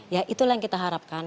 ya itulah yang kita harapkan